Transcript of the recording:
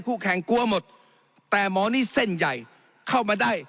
แข่งกลัวหมดแต่หมอนี่เส้นใหญ่เข้ามาได้